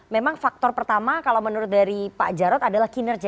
memang faktor pertama kalau menurut dari pak jarod adalah kinerja